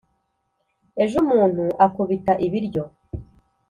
ejo umuntu akubita ibiryo.